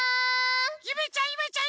ゆめちゃんゆめちゃん。